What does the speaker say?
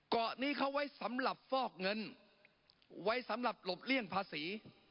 เกาะนี้เขาไว้สำหรับฟอกเงินไว้สำหรับหลบเลี่ยงภาษี